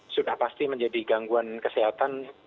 sudah pasti menjadi gangguan kesehatan